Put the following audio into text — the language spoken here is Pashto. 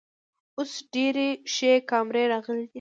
اوس ډیرې ښې کامرۍ راغلی ده